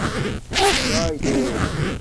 چاݵے دو